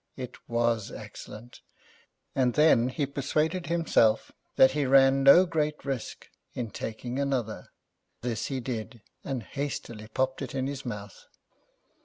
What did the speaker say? It was excellent, and then he persuaded himself that he ran no great risk in taking another; this he did and hastily popped it in his mouth.